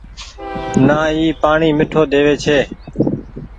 نآ اي پآڻيٚ ميٺو ۮيوي ڇي ۔